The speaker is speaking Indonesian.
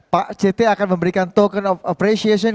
pak ct akan memberikan token of appreciation